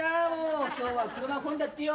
今日は車混んじゃってよ。